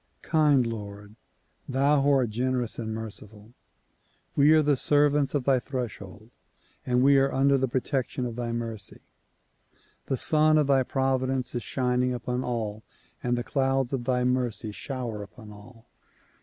kind Lord ! Thou who art generous and merciful ! We are the sei vants of thy threshold and we are under the protection of thy mercy. The Sun of thy providence is shining upon all and the clouds of thy mercy shower upon all.